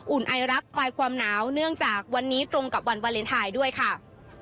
ไอรักคลายความหนาวเนื่องจากวันนี้ตรงกับวันวาเลนไทยด้วยค่ะ